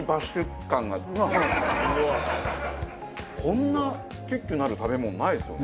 こんなキュッキュなる食べ物ないですよね？